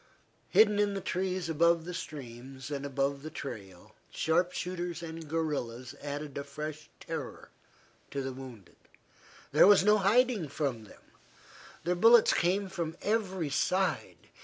Hidden in the trees above the streams, and above the trail, sharp shooters and guerillas added a fresh terror to the wounded. There was no hiding from them. Their bullets came from every side.